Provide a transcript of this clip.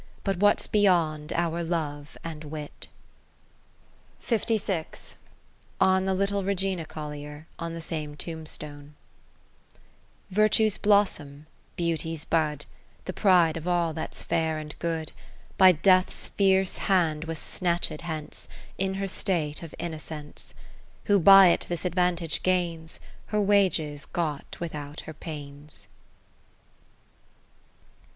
But what 's beyond our love and wit. On the little Regina Collier, on the same Tomb stone Virtue's blossom, Beauty's bud, The pride of all that 's fair and good, By Death's fierce hand was snatched hence In her state of Innocence : Who by it this advantage gains, Her wages got without her pains.